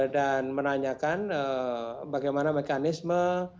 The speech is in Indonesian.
dan menanyakan bagaimana mekanisme